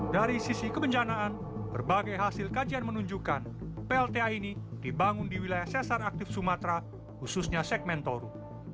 dari sisi kebencanaan berbagai hasil kajian menunjukkan plta ini dibangun di wilayah sesar aktif sumatera khususnya segmen toru